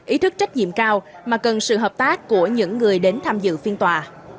ý thức trách nhiệm cao mà cần sự hợp tác của những người đến tham dự phiên tòa